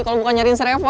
kalau bukan nyariin sreva